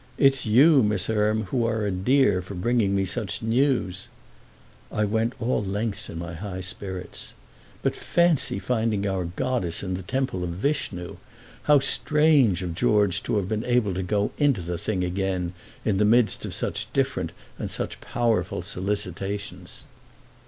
"It's you, Miss Erme, who are a 'dear' for bringing me such news!"—I went all lengths in my high spirits. "But fancy finding our goddess in the temple of Vishnu! How strange of George to have been able to go into the thing again in the midst of such different and such powerful solicitations!"